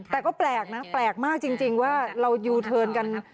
แต่ก็แปลกมากจริงว่าเราอยู่ทิร์นกัน